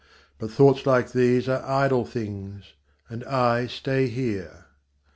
But thoughts like these are idle things, And I stay here.